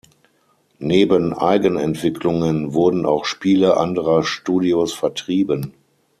Neben Eigenentwicklungen wurden auch Spiele anderer Studios vertrieben.